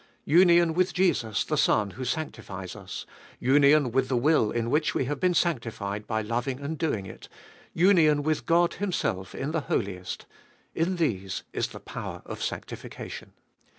Union with Jesus the Son who sanctifies us, union with the will in which we have been sanctified by loving and doing it, union with God Himself in the Holies, — in these is the power of sanctification.